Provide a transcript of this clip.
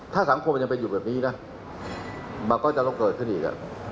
ถ้าสังคมยังเป็นอยู่แบบนี้นะมันก็จะต้องเกิดขึ้นอีก